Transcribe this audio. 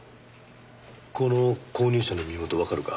この購入者の身元わかるか？